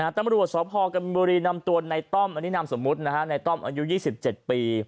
ตำรวจสพกำบุรีนำตัวในต้อมอันนี้นามสมมุติในต้อมอายุ๒๗ปี